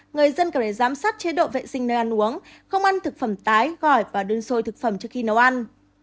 người dân cần phải giám sát chế độ vệ sinh nơi ăn uống không ăn thực phẩm tái gỏi và đun sôi thực phẩm trước khi nấu ăn